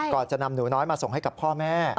จะนำหนูน้อยมาส่งให้กับพ่อแม่